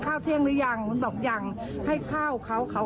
แล้วพอไปตรวจสอบดูปรากฏว่า